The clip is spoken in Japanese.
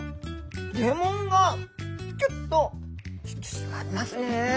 レモンがキュッと引き締まりますね。